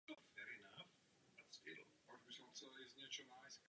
To podstatně mění celou dynamiku.